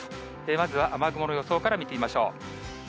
まずは雨雲の予想から見てみましょう。